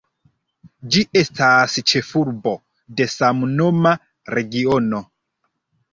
Ĝi estas ĉefurbo de samnoma regiono.